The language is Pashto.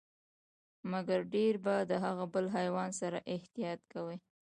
مګر ډیر به د هغه بل حیوان سره احتياط کوئ،